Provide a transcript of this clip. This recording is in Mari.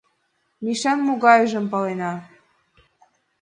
— Мишан могайжым палена.